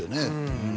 うん